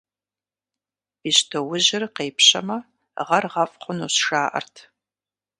Бещтоужьыр къепщэмэ, гъэр гъэфӀ хъунущ, жаӀэрт.